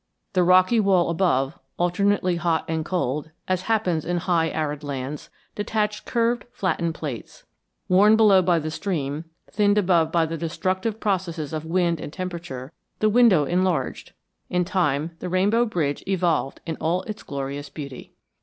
The rocky wall above, alternately hot and cold, as happens in high arid lands, detached curved, flattened plates. Worn below by the stream, thinned above by the destructive processes of wind and temperature, the window enlarged. In time the Rainbow Bridge evolved in all its glorious beauty.